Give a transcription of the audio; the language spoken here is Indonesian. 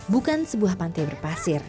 bukan sebuah pantai berpasir